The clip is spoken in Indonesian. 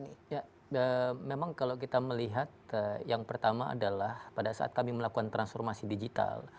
ya memang kalau kita melihat yang pertama adalah pada saat kami melakukan transformasi digital